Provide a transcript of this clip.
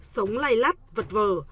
sống lay lắt vật vờ